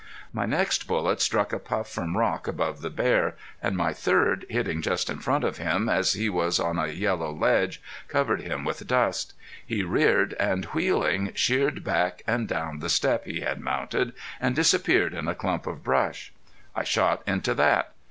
My next bullet struck a puff from rock above the bear, and my third, hitting just in front of him, as he was on a yellow ledge, covered him with dust. He reared, and wheeling, sheered back and down the step he had mounted, and disappeared in a clump of brush. I shot into that.